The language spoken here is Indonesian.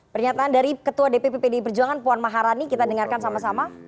pernyataan dari ketua dpp pdi perjuangan puan maharani kita dengarkan sama sama